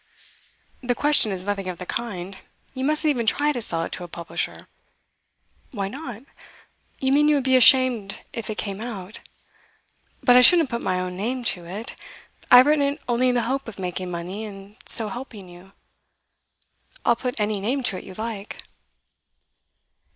'The question is nothing of the kind. You mustn't even try to sell it to a publisher.' 'Why not? You mean you would be ashamed if it came out. But I shouldn't put my own name to it. I have written it only in the hope of making money, and so helping you. I'll put any name to it you like.